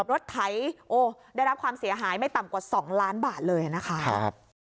รถไถโอ้ได้รับความเสียหายไม่ต่ำกว่า๒ล้านบาทเลยนะคะ